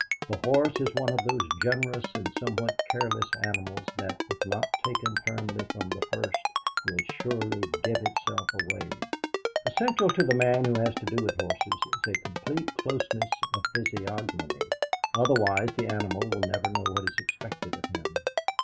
The horse is one of those generous and somewhat careless animals that, if not taken firmly from the first, will surely give itself away. Essential to a man who has to do with horses is a complete closeness of physiognomy, otherwise the animal will never know what is expected of him.